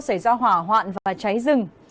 xảy ra hỏa hoạn và cháy rừng